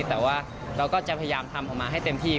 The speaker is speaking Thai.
แต่ว่าเราก็จะพยายามทำออกมาให้เต็มที่